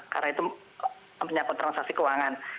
karena itu penyakit transaksi keuangan